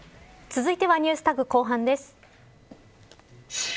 続いてはＮｅｗｓＴａｇ後半です。